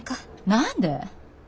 何で？